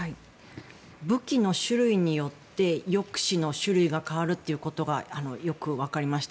武器の種類によって抑止の種類が変わることがよく分かりました。